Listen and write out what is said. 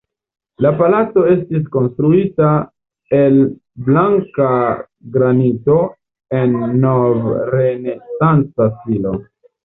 La palaco estis konstruita el blanka granito en nov-renesanca stilo.